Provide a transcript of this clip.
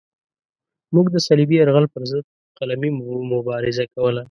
موږ د صلیبي یرغل پرضد قلمي مبارزه کوله.